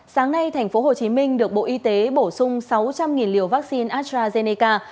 sáng nay tp hcm được bộ y tế bổ sung sáu trăm linh liều vaccine astrazeneca